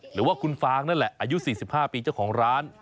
หรือว่าคุณฟางนั่นแหละอายุ๔๕ปีเจ้าของร้าน